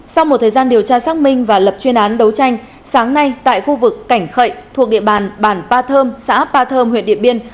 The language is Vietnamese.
sau một thời gian điều tra xác minh và lập chuyên án đấu tranh sáng nay tại khu vực cảnh khậy thuộc địa bàn bản ba thơm xã ba thơm huyện điện biên